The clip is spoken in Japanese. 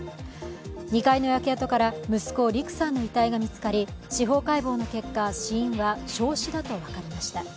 ２階の焼け跡から息子・陸さんの遺体が見つかり、司法解剖の結果、死因は焼死だと分かりました。